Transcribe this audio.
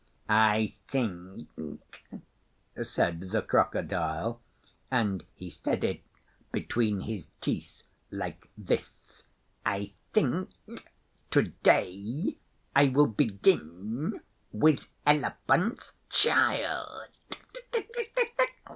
'I think, said the Crocodile and he said it between his teeth, like this 'I think to day I will begin with Elephant's Child!